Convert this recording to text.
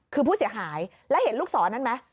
คือผู้เสียหายแล้วเห็นลูกศรนั้นไหม